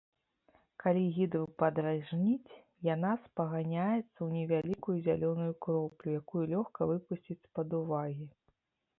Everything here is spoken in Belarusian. Калі гідру падражніць, яна спаганяецца ў невялікую зялёную кроплю, якую лёгка выпусціць з-пад увагі.